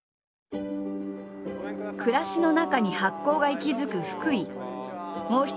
暮らしの中に発酵が息づく福井。